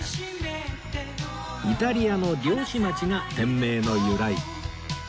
イタリアの漁師町が店名の由来